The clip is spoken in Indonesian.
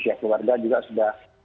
pihak keluarga juga sudah